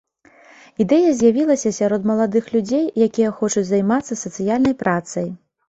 Ідэя з'явілася сярод маладых людзей, якія хочуць займацца сацыяльнай працай.